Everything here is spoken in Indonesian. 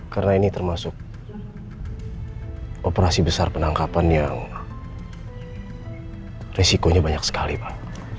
karena ini termasuk operasi besar penangkapan yang resikonya banyak sekali pak